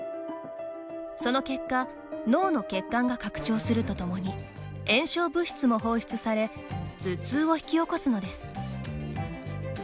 その結果、脳の血管が拡張するとともに炎症物質も放出され頭痛を引き起こすのです。